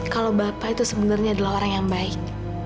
kalau bapak itu sebenarnya adalah orang yang baik